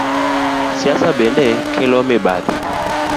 Siasa bende kelo mibadhi.